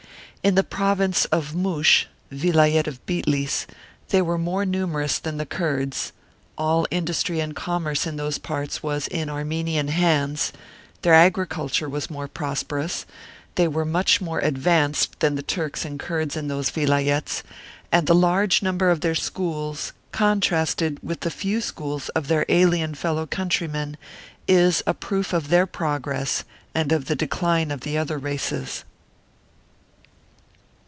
In the province of Moush (Vilayet of Bitlis) they were more numer ous than the Kurds; all industry and commerce in those parts was in Armenian hands; their agricul ture was more prosperous; they were much more advanced than the Turks and Kurds in those Vilayets; and the large number of their schools, contrasted with the few schools of their alien fellow countrymen, is a proof of their progress and of the decline of the other races.